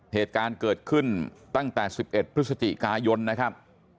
เหตุการณ์เกิดขึ้นตั้งแต่๑๑พฤศจิกายนนะครับ